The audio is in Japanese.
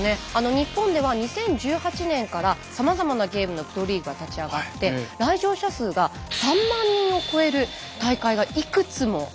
日本では２０１８年からさまざまなゲームのプロリーグが立ち上がって来場者数が３万人を超える大会がいくつもあるんですよね。